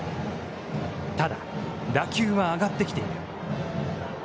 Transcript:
ただ、打球は上がってきている。